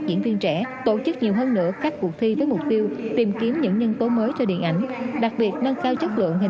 diễn viên trẻ tổ chức nhiều hơn nữa các cuộc thi với mục tiêu